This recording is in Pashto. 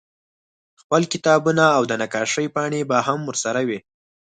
خپل کتابونه او د نقاشۍ پاڼې به هم ورسره وې